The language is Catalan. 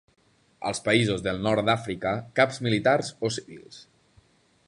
Als països del nord d'Àfrica, caps militars o civils.